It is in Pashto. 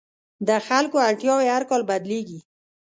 د خلکو اړتیاوې هر کال بدلېږي.